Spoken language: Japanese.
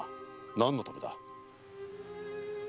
何のため？